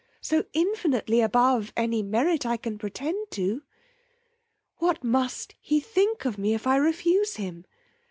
so infinitely above any merit I can pretend to! what must he think of me if I refuse him!